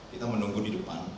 kita menunggu di depan